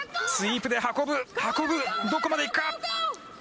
スイープで運ぶ、運ぶ、どこまで行くか。